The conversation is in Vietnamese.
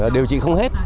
điều trị không hết